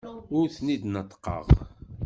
Ur ten-id-neṭṭqeɣ.